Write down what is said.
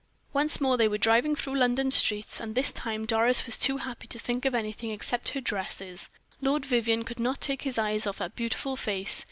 Once more they were driving through London streets, and this time Doris was too happy to think of anything except her dresses. Lord Vivianne could not take his eyes off that beautiful face.